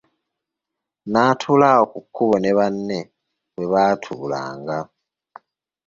N'atuula awo ku kkubo ne banne we baatuulanga.